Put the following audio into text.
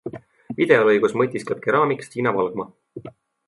Videolõigus mõtiskleb keraamik Stina Valgma.